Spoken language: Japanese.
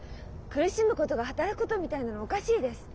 苦しむことが働くことみたいなのおかしいです。